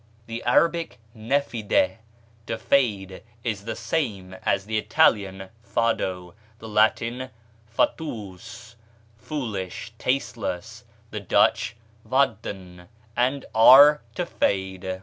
The Arabic nafida, to fade, is the same as the Italian fado, the Latin fatuus (foolish, tasteless), the Dutch vadden, and our to fade.